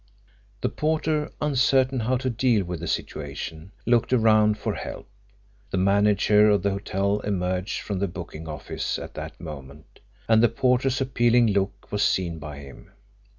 The porter, uncertain how to deal with the situation, looked around for help. The manager of the hotel emerged from the booking office at that moment, and the porter's appealing look was seen by him.